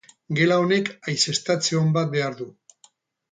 Gela honek haizeztatze on bat behar du.